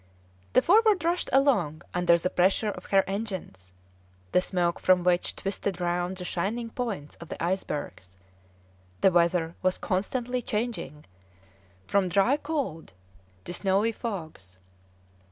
The Forward rushed along under the pressure of her engines, the smoke from which twisted round the shining points of the icebergs; the weather was constantly changing from dry cold to snowy fogs.